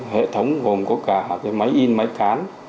hệ thống gồm có cả máy in máy cán